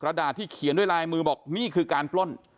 ดาดที่เขียนด้วยลายมือบอกนี่คือการปล้น